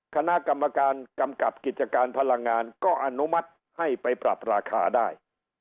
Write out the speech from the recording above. คณะกรรมการกำกับกิจการพลังงานก็อนุมัติให้ไปปรับราคาได้